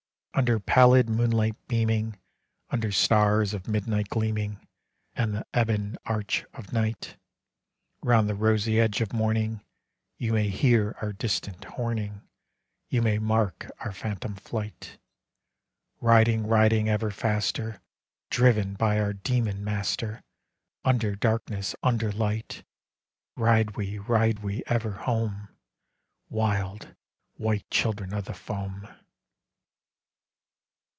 Under pallid moonlight beaming, Under stars of midnight gleaming, And the ebon arch of night; Round the rosy edge of morning, You may hear our distant horning, You may mark our phantom flight; Riding, riding, ever faster, Driven by our demon master, Under darkness, under light; Ride we, ride we, ever home, Wild, white children of the foam.